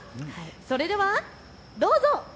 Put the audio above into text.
それではどうぞ。